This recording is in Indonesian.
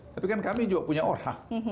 tapi kan kami juga punya orang